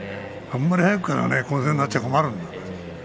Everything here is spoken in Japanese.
あんまり早くから混戦になっちゃ困るんだよ。